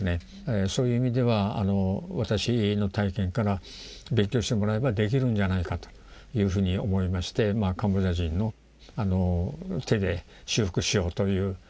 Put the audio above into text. そういう意味では私の体験から勉強してもらえばできるんじゃないかというふうに思いましてカンボジア人の手で修復しようという。